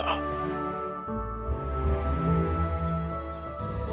kau akan baik baik saja